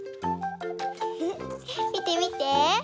みてみて。